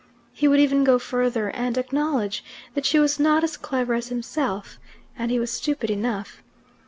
He would even go further and acknowledge that she was not as clever as himself and he was stupid enough!